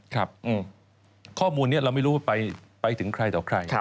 ครับข้อมูลนี้เราไม่รู้ว่าไปถึงใครต่อใคร